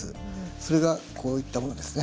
それがこういったものですね。